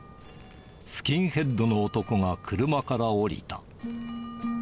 スキンヘッドの男が車から降りた。